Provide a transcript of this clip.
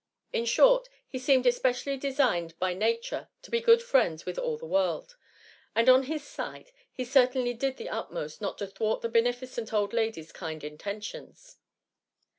la short, he seemed especially designed by Nature to be good friends with all the world ; and op his side he certainly did the utmost not to thwart the beneficent old lady's kind intentions.